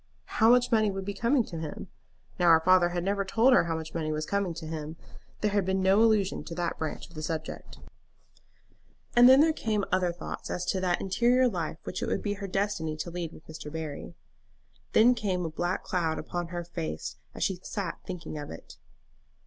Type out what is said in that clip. How much money would be coming to him? Now her father had never told her how much money was coming to him. There had been no allusion to that branch of the subject. And then there came other thoughts as to that interior life which it would be her destiny to lead with Mr. Barry. Then came a black cloud upon her face as she sat thinking of it.